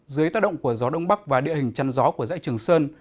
dưới tác động của gió đông bắc và địa hình chăn gió của dãy trường sơn